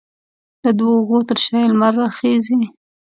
د دوو اوږو تر شا یې لمر راخیژي